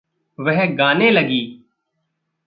वह गाने लगी।